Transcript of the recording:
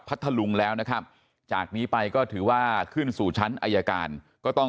ทะลุงแล้วนะครับจากนี้ไปก็ถือว่าขึ้นสู่ชั้นอายการก็ต้อง